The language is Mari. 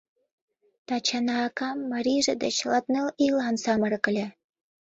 Тачана акам марийже деч латныл ийлан самырык ыле.